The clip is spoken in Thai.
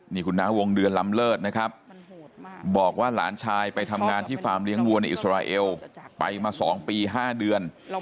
นี่คุณน้าวงเดือนลำเลิศนะครับบอกว่าหลานชายไปทำงานที่ฟาร์มเลี้ยงวัวในอิสราเอลไปมา๒ปี๕เดือน